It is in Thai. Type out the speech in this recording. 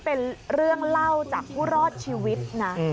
เป็นเรื่องเล่าจากผู้รอดชีวิตนะ